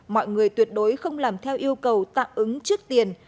mọi người tuyệt đối không làm theo yêu cầu tạm ứng trước tiền